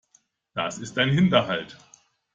Das ist ein Hinterhalt.